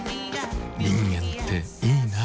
人間っていいナ。